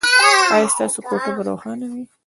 ایا ستاسو کوټه به روښانه وي؟